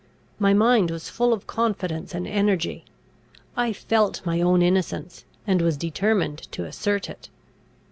My mind was full of confidence and energy. I felt my own innocence, and was determined to assert it.